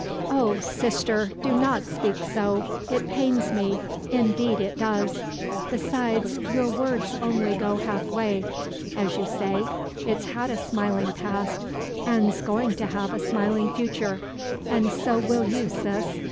"O sister! do not speak so. It pains me indeed it does. Besides your words only go half way. As you say, it's had a smiling past, and's going to have a smiling future. And so will you sis.